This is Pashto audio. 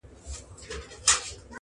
نور په داسي ظالمانو زړه ښه نه کړئ؛